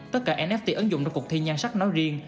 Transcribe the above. tất cả nft ứng dụng trong cuộc thi nhan sắc nói riêng